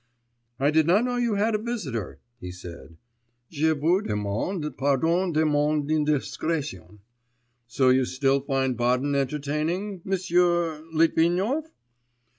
'I did not know you had a visitor,' he said: 'je vous demande pardon de mon indiscrétion. So you still find Baden entertaining, M'sieu Litvinov?